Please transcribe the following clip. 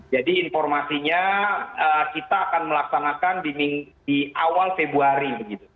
jadi informasinya kita akan melaksanakan di awal februari